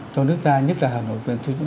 cho nước ta nhất là hà nội